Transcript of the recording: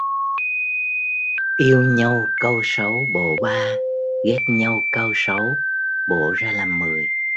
Yêu nhau cau sáu bổ ba, ghét nhau cau sáu bổ ra làm mười